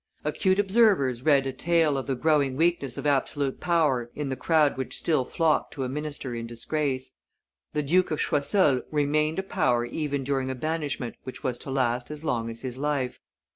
Acute observers read a tale of the growing weakness of absolute power in the crowd which still flocked to a minister in disgrace; the Duke of Choiseul remained a power even during a banishment which was to last as long as his life.